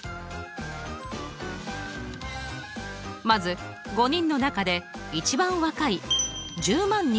まず５人の中で一番若い１０万２０